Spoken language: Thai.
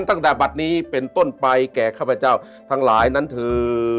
ตั้งแต่บัตรนี้เป็นต้นไปแก่ข้าพเจ้าทั้งหลายนั้นเถอะ